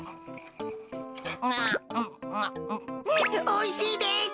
おいしいです。